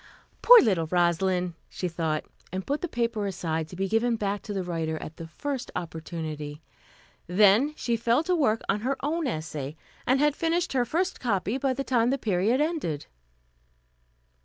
"Poor little Rosalind," she thought, and put the paper aside, to be given back to the writer at the first opportunity. Then she fell to work on her own essay, and had finished her first copy by the time the period ended.